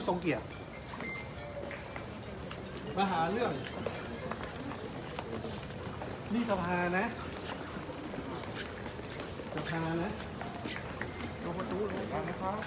ทรงเกียจมาหาเรื่อง